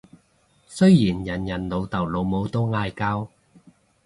雖然人人老豆老母都嗌交